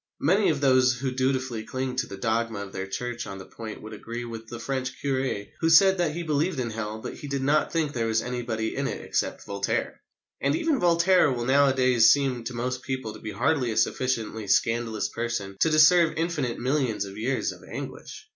Many of those who dutifully cling to the dogma of their Church on the point would agree with the French curé who said that he believed in Hell, but he did not think there was anybody in it except Voltaire. And even Voltaire will nowadays seem to most people to be hardly a sufficiently scandalous person to deserve infinite millions of years of anguish.